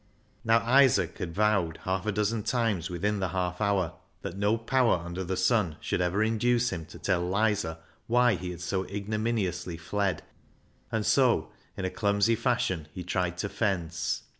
Now Isaac had vowed half a dozen times ISAAC'S FIDDLE 303 within the half hour that no power under the sun should ever induce him to tell Lizer why he had so ignominiously fled, and so in a clumsy fashion he tried to fence.